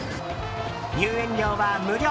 入園料は無料。